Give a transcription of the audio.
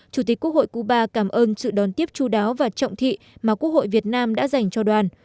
chủ tịch quốc hội cuba cảm ơn sự đón tiếp chú đáo và trọng thị mà quốc hội việt nam đã dành cho đoàn